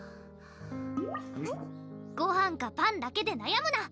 ごはんかパンだけでなやむな！